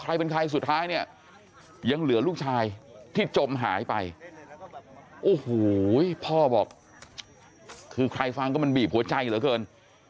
ใครเป็นใครสุดท้ายเนี่ยยังเหลือลูกชายที่จมหายไปโอ้โหพ่อบอกคือใครฟังก็มันบีบหัวใจเหลือเกิน